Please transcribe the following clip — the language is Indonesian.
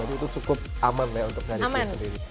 oke jadi itu cukup aman lah ya untuk garis diri sendiri